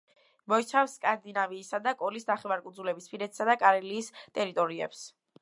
მოიცავს სკანდინავიისა და კოლის ნახევარკუნძულების, ფინეთისა და კარელიის ტერიტორიებს.